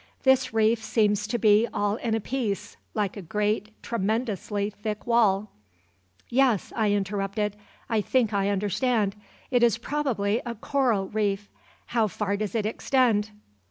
This reef seems to be all in a piece, like a great, tremendously thick wall " "Yes," I interrupted; "I think I understand. It is probably a coral reef. How far does it extend?"